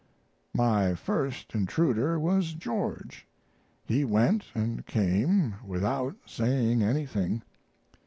My first intruder was George. He went and came without saying anything.